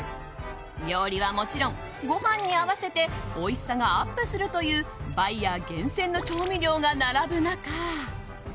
料理はもちろん、ご飯に合わせておいしさがアップするというバイヤー厳選の調味料が並ぶ中